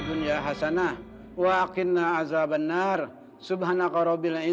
bukan urusan kamu tanya sama kakak kamu yang so hebat ini